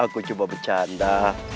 aku cuma berbicara